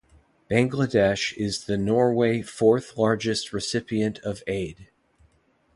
Bangladesh is the Norway fourth largest recipient of aid.